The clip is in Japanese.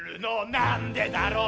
「なんでだろう」